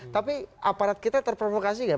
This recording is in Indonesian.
tapi aparat kita terprovokasi nggak